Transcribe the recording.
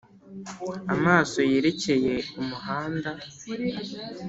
Amaso yerekeye umuhanda